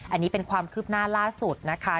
อันนี้เป็นความคืบหน้าล่าสุดนะคะ